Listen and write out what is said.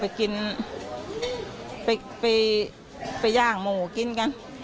ไปกินไปย่างหมูกินกัน